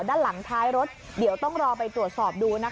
ด้านหลังท้ายรถเดี๋ยวต้องรอไปตรวจสอบดูนะคะ